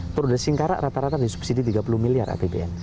perude singkarak rata rata disubsidi tiga puluh miliar apbn